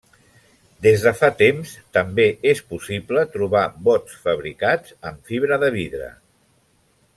Des de fa temps també és possible trobar bots fabricats amb fibra de vidre.